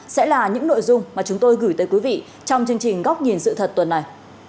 sẽ là những nội dung mà chúng tôi gửi tới quý vị trong chương trình góc nhìn sự thật tuần này